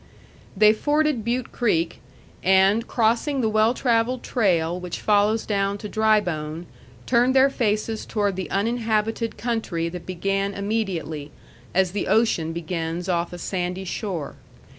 They forded Butte Creek, and, crossing the well travelled trail which follows down to Drybone, turned their faces toward the uninhabited country that began immediately, as the ocean begins off a sandy shore.